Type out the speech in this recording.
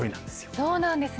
そうなんですね。